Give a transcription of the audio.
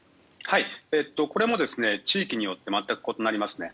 これも地域によって全く異なりますね。